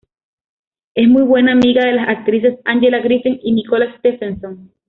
Es muy buena amiga de las actrices Angela Griffin y Nicola Stephenson.